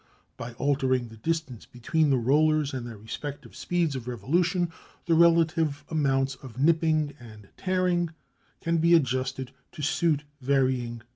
By altering the distance between the rollers and their respective speeds of revolution the relative amounts of nipping and tearing can be adjusted to suit varying conditions.